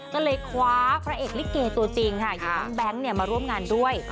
ก็เลยคว้าพระเอกลิเกตัวจริงค่ะอย่างน้องแบงค์มาร่วมงานด้วย